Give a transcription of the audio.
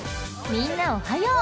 ［みんなおはよう。